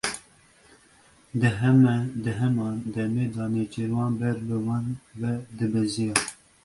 Di heman demê de nêçîrvan ber bi wan ve dibeziya.